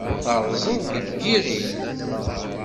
Terrẓeḍ deg yiɣil.